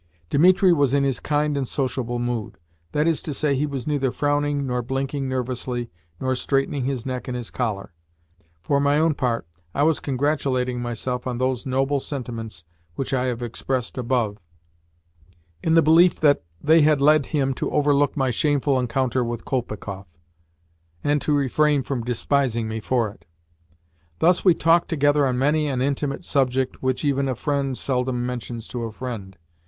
Dimitri was in his kind and sociable mood. That is to say, he was neither frowning nor blinking nervously nor straightening his neck in his collar. For my own part, I was congratulating myself on those noble sentiments which I have expressed above, in the belief that they had led him to overlook my shameful encounter with Kolpikoff, and to refrain from despising me for it. Thus we talked together on many an intimate subject which even a friend seldom mentions to a friend.